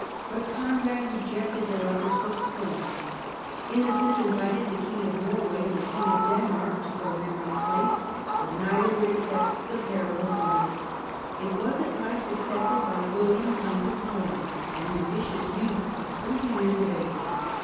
But Conrad rejected their efforts with scorn. Innocent invited the King of Norway and the King of Denmark to fill Henry's place, but neither would accept the perilous honour. It was at last accepted by William, Count of Holland, an ambitious youth of twenty years of age.